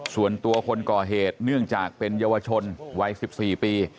ส่วนตัวคนก่อเหตุเนื่องจากเป็นเยาวชนวัย๑๔ปี